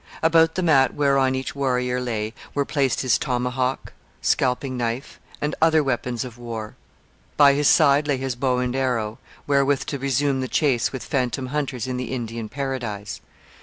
About the mat whereon each warrior lay were placed his tomahawk, scalping knife, and other weapons of war. By his side lay his bow and arrow, wherewith to resume the chase with phantom hunters in the Indian paradise.